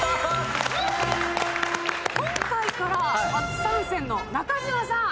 今回から初参戦の中島さん